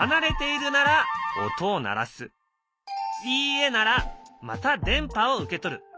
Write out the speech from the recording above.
「いいえ」ならまた電波を受け取る。